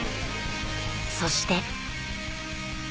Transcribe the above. そして